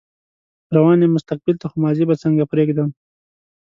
روان يم مستقبل ته خو ماضي به څنګه پرېږدم